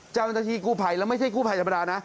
เจ้าหน้าที่กู้ภัยแล้วไม่ใช่กู้ภัยธรรมดานะ